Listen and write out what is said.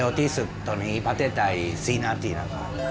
เร็วที่สุดตอนนี้ประเทศใด๔นาทีค่ะ